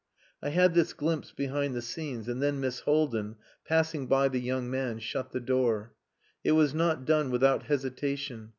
I had this glimpse behind the scenes, and then Miss Haldin, passing by the young man, shut the door. It was not done without hesitation.